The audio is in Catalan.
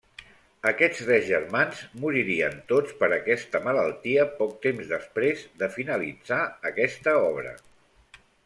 Aquests tres germans moririen tots per aquesta malaltia poc temps després de finalitzar aquesta obra.